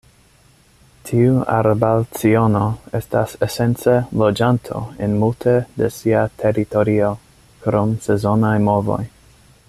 Tiu arbalciono estas esence loĝanto en multe de sia teritorio, krom sezonaj movoj.